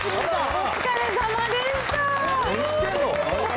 お疲れさまでした。